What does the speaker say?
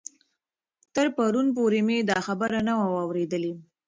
تر پرون پورې مې دا خبر نه و اورېدلی.